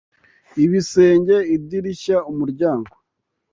-Ibisenge, idirishya, umuryango